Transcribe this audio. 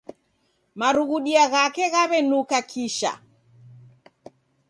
Marughudia ghake ghawenuka kisha